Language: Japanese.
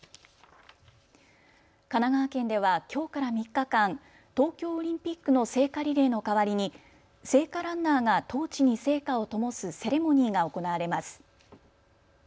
神奈川県ではきょうから３日間、東京オリンピックの聖火リレーの代わりに聖火ランナーがトーチに聖火をともすセレモニーが行われます。